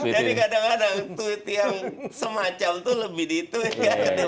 jadi kadang kadang tweet yang semacam itu lebih di tweet